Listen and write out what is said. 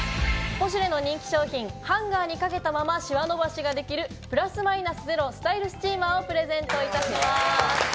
ポシュレの人気商品、ハンガーにかけたままシワ伸ばしができる「プラスマイナスゼロスタイルスチーマー」をプレゼントいたします。